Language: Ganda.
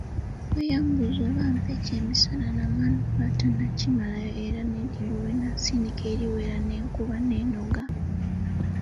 Bwe yambuuza oba ampe ekyemisana namwanukula tannakimalayo era eddigobe nasindika eriwera ne nkuba n'ennoga.